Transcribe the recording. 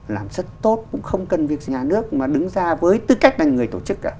làm rất tốt cũng không cần việc nhà nước mà đứng ra với tư cách là người tổ chức cả